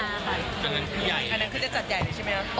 อันนั้นคือจะจัดใหญ่เลยใช่ไหมครับ